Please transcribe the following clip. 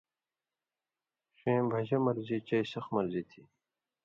ݜَیں بھژہ مرضی چئ سخ مرضی تھی۔